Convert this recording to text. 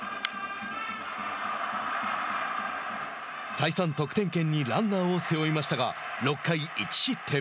再三得点圏にランナーを背負いましたが６回１失点。